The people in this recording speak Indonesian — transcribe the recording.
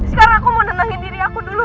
ma aku capek ma ngadepin ini ma